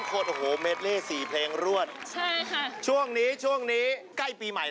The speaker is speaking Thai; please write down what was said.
หรือเป็นแค่ผู้หญิงธรรมดาแต่น้องจะพา